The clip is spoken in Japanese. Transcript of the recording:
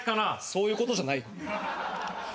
そういう事じゃない。